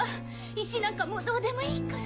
石なんかもうどうでもいいから。